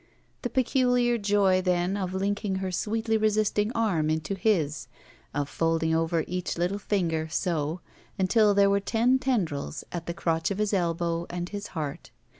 The peculiar joy, then, of linking her sweetly resisting arm into his; of folding over each Uttle 112 THE VERTICAL CITY finger, sol until there wer»*ten tendrils at the crotch of his elbow and his heart.